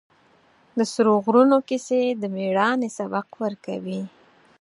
د سرو غرونو کیسې د مېړانې سبق ورکوي.